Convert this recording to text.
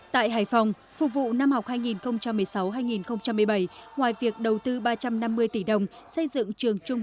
tại hải phòng phục vụ năm học hai nghìn một mươi sáu hai nghìn một mươi bảy ngoài việc đầu tư ba trăm năm mươi tỷ đồng xây dựng trường trung